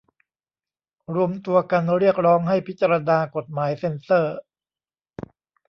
รวมตัวกันเรียกร้องให้พิจารณากฎหมายเซ็นเซอร์